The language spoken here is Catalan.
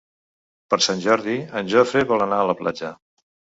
Per Sant Jordi en Jofre vol anar a la platja.